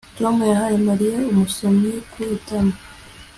Tom yahaye Mariya umusomyi ku itama